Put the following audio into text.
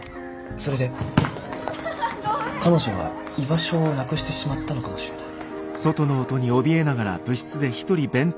それで彼女は居場所をなくしてしまったのかもしれない。